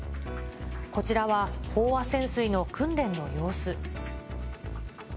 こちらは飽和潜水の訓練の様子。